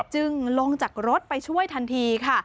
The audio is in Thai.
จึงลงจากรถไปช่วยทันทีค่ะ